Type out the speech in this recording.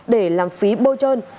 để làm phí bôi trơn